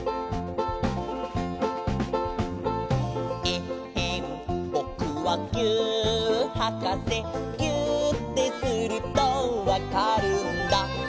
「えっへんぼくはぎゅーっはかせ」「ぎゅーってするとわかるんだ」